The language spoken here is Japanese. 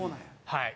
はい。